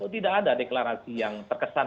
tidak ada deklarasi yang terkesan